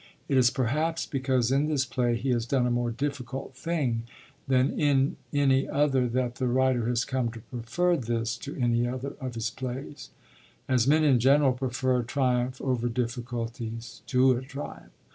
It is perhaps because in this play he has done a more difficult thing than in any other that the writer has come to prefer this to any other of his plays; as men in general prefer a triumph over difficulties to a triumph.